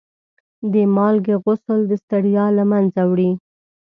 د مالګې غسل د ستړیا له منځه وړي.